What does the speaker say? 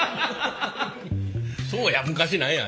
そうや昔何や？